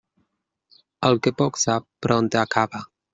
El que poc sap, prompte acaba.